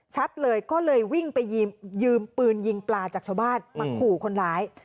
ชัดเลยก็เลยวิ่งไปยืมปืนยิงปลาจากชาวบ้านมาขู่คนร้าย